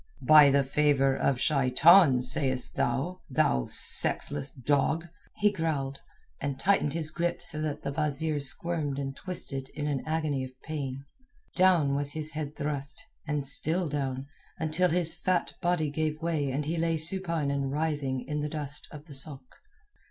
"By the favour of Shaitan, sayest thou, thou sex less dog?" he growled, and tightened his grip so that the wazeer squirmed and twisted in an agony of pain. Down was his head thrust, and still down, until his fat body gave way and he lay supine and writhing in the dust of the sôk.